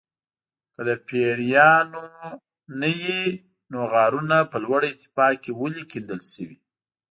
که د پیریانو نه وي نو غارونه په لوړه ارتفاع کې ولې کیندل شوي.